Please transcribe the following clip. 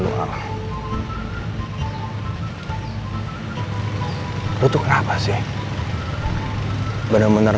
gue butuh pembuktian